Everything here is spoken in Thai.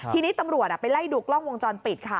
ทีนี้ตำรวจไปไล่ดูกล้องวงจรปิดค่ะ